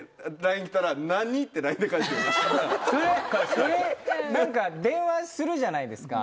それ何か電話するじゃないですか。